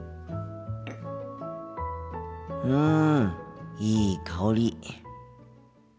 うんいい香り。